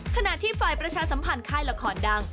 ขณะที่ฝ่ายประชาสัมพันธ์ค่ายละครดัง